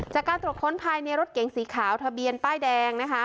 จากการตรวจค้นภายในรถเก๋งสีขาวทะเบียนป้ายแดงนะคะ